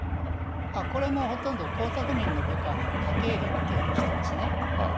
これもうほとんど江沢民の部下のかけいりんっていう人ですね。